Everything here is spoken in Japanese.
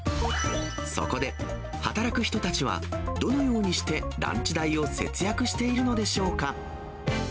そこで、働く人たちはどのようにしてランチ代を節約しているのでしょうか。